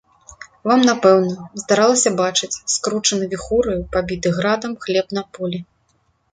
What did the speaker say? Вам, напэўна, здаралася бачыць скручаны віхураю, пабіты градам хлеб на полі.